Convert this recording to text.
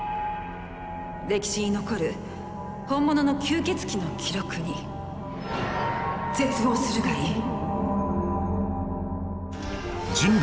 歴史に残る本物の吸血鬼の記録に絶望するがいい。